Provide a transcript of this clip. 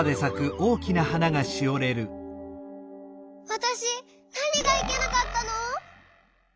わたしなにがいけなかったの！？